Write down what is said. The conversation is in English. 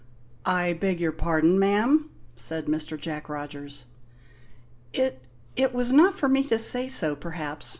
"I beg your pardon, ma'am?" said Mr. Jack Rogers. "It it was not for me to say so, perhaps."